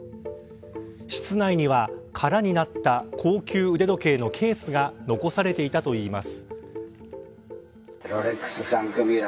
室内には空になった高級腕時計のケースが残されていたといいます。